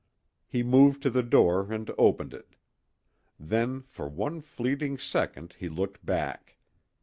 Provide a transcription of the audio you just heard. He moved to the door and opened it. Then for one fleeting second he looked back.